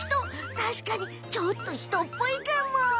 たしかにちょっと人っぽいかも！